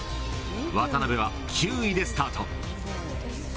渡辺は９位でスタート。